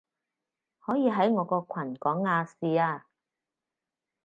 可以喺我個群講亞視啊